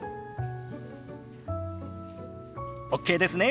ＯＫですね。